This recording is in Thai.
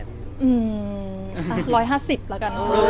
อืมอ่ะร้อยห้าสิบละกัน